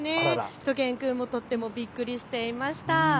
しゅと犬くんもとってもびっくりしていました。